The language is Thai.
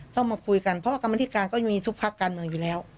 ต้องมาคุยกันเพราะว่ากรรมธิการก็ยังมีทุกภาคการเมืองอยู่แล้ว